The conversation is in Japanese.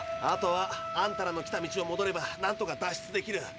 あとはあんたらの来た道をもどればなんとか脱出できる。